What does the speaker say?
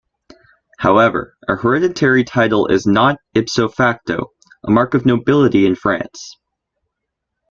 However, a hereditary title is not, "ipso facto", a mark of nobility in France.